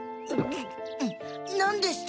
なんでしたっけ？